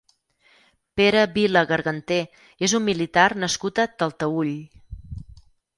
Pere Vila Garganté és un militar nascut a Talteüll.